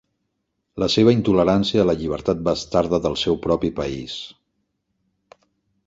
La seva intolerància a la llibertat bastarda del seu propi país.